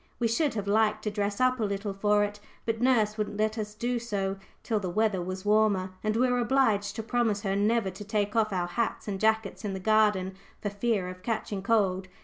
We should have liked to dress up a little for it, but nurse wouldn't let us do so till the weather was warmer, and we were obliged to promise her never to take off our hats and jackets in the garden for fear of catching cold.